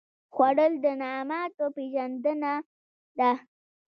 خوړل د نعماتو پېژندنه ده